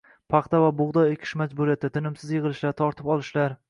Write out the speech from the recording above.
paxta va bug‘doy ekish majburiyati, tinimsiz yig‘ilishlar, tortib olishlar